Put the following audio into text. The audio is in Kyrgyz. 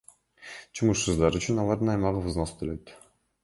Жумушсуздар үчүн алардын аймагы взнос төлөйт.